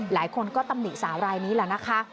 หลายคนก็ตำหนิสาวรายนี้แหละนะคะ